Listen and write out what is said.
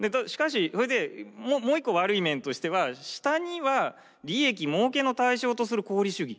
それでもう一個悪い面としては下には利益もうけの対象とする功利主義。